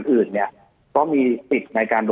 จนถึงปัจจุบันมีการมารายงานตัว